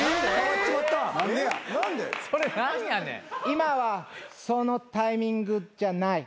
今はそのタイミングじゃない。